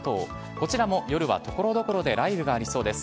こちらも夜はところどころで雷雨がありそうです。